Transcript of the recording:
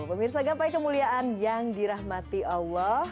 pemirsa gapai kemuliaan yang dirahmati allah